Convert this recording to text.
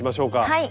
はい。